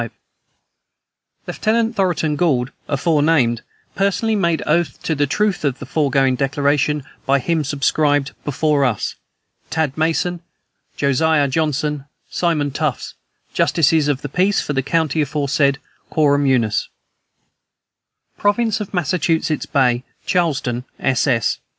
"Lieutenant Thoroton Gould, aforenamed, personally made oath to the truth of the foregoing declaration by him subscribed, before us, "THAD. MASSON, "JOSIAH JOHNSON, SIMON TUFTS, Justices of the peace for the county aforesaid, quorum unus." "PROVINCE OF MASSACHUSETTS BAY, CHARLESTOWN, SS.